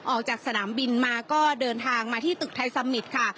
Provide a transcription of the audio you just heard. ออกจากสนามบินมาก็เดินทางมาที่ตึกไทยสมิตรค่ะ